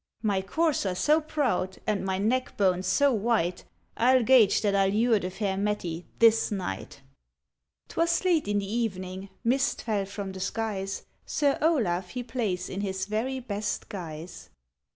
ŌĆ£My courser so proud, and my neck bone so white IŌĆÖll gage that I lure the fair Mettie this night. ŌĆØ ŌĆÖTwas late in the evening, mist fell from the skies, Sir Olaf he plays in his very best guise.